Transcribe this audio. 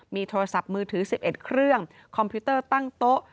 มีโทรศัพท์มือถือ๑๑เครื่องคอมพิวเตอร์ตั้งโต๊ะ